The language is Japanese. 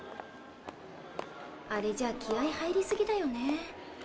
あれじゃ気合い入りすぎだよね。